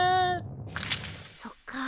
そっか。